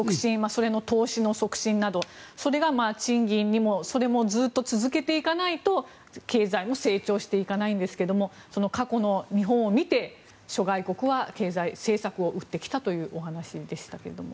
それの投資の促進などそれが賃金にもそれもずっと続けていかないと経済も成長していかないんですけども過去の日本を見て諸外国は経済政策を打ってきたというお話でしたが。